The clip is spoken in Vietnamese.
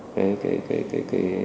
cái cái cái cái